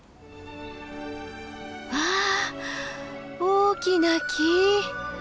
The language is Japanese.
わあ大きな木。